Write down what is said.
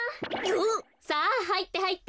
さあはいってはいって。